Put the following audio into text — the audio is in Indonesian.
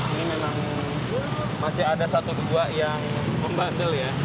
ini memang masih ada satu dua yang membandel ya